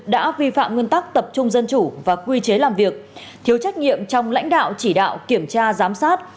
đã vi phạm nguyên tắc tập trung dân chủ và quy chế làm việc thiếu trách nhiệm trong lãnh đạo chỉ đạo kiểm tra giám sát